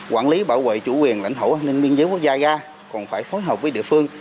quản lý bảo vệ chủ quyền lãnh thổ an ninh biên giới quốc gia ga còn phải phối hợp với địa phương